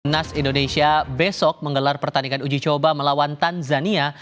nas indonesia besok menggelar pertandingan uji coba melawan tanzania